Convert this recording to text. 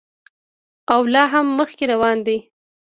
او لا هم مخکې روان دی.